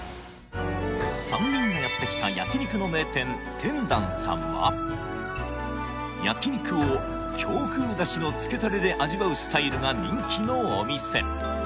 ３人がやって来た焼肉の名店天壇さんは焼肉を京風出汁のつけタレで味わうスタイルが人気のお店